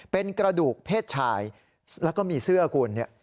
เป็นกระดูกเพศชายแล้วก็มีเสื้อคุณเนี่ย